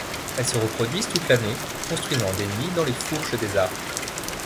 Elles se reproduisent toute l'année, construisant des nids dans les fourches des arbres.